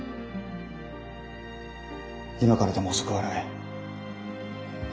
今からでも遅くはない。